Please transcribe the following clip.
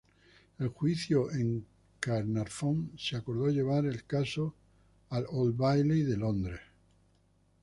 El juicio en Caernarfon se acordó llevar el caso al "Old Bailey" en Londres.